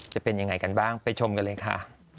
จะเป็นยังไงกันบ้างไปชมกันเลยค่ะ